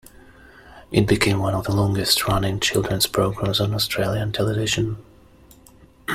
It became one of the longest running children's programs on Australian television.